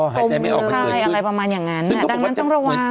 หายใจไม่ออกมาเกิดเลยค่ะอะไรประมาณอย่างงั้นอ่ะดังนั้นต้องระวัง